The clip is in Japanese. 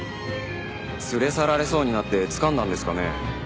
連れ去られそうになってつかんだんですかね？